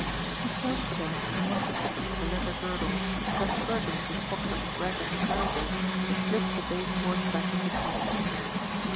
He felt for them in one of the pockets of the leather girdle, transferred them to the pocket of his ragged trousers, and slipped the base board back into place.